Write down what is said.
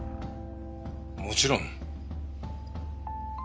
もちろん。